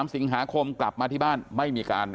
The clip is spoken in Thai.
พี่สาวของเธอบอกว่ามันเกิดอะไรขึ้นกับพี่สาวของเธอ